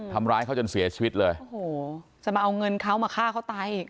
ทำร้ายเขาจนเสียชีวิตเลยโอ้โหจะมาเอาเงินเขามาฆ่าเขาตายอีก